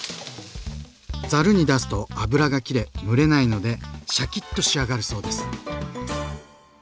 ざるに出すと油が切れ蒸れないのでシャキッと仕上がるそうです。